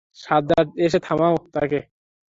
সাজ্জাদ, এসে থামাও তাকে।